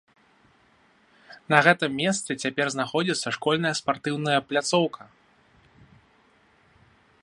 На гэтым месцы цяпер знаходзіцца школьная спартыўная пляцоўка.